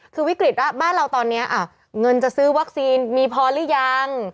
คือวิกฤตว่าบ้านเราตอนนี้เงินจะซื้อวัคซีนมีพอหรือยัง